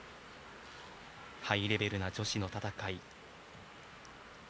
ハイレベルな女子の戦い。